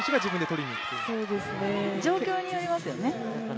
状況によりますよね。